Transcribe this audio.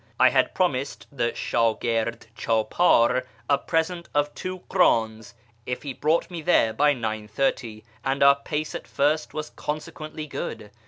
I had promised the ^hdfjird chdjjdr a present of two krdns if he brought me there oy 9.30, and our pace at first was consequently good.